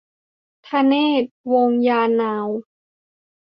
ธเนศ วงศ์ยานนาว